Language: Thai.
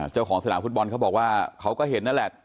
เจ้าของสนามฟุตบอลเขาบอกว่าเขาก็เห็นนั่นแหละ